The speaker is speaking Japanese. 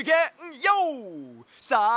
さあ